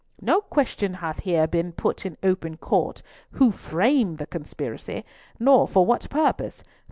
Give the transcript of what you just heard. No question hath here been put in open court, who framed the conspiracy, nor for what purpose.